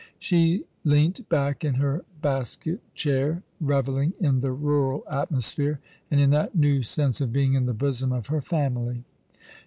She leant back in her basket chair, revelling in the rural atmosphere, and in that new sense of being in the bosom of her family.